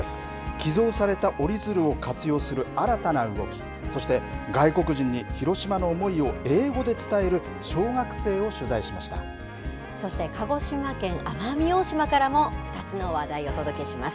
寄贈された折り鶴を活用する新たな動きそして外国人に広島の思いを英語で伝えるそして鹿児島県奄美大島からも２つの話題、お届けします。